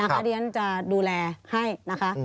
ชัดเรียนจะดูแลให้นะคะ